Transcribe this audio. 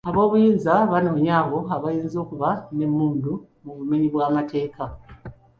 Ab'obuyinza baanoonya abo abayinza okuba n'emmundu mu bumenyi bw'amateeka.